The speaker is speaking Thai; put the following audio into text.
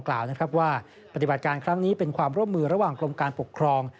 กล่าวนะครับว่าปฏิบัติการครั้งนี้เป็นความร่วมมือระหว่างกรมการปกครอง